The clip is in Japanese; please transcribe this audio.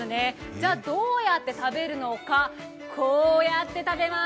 じゃあどうやって食べるのか、こうやって食べます。